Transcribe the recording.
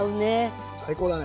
最高だね。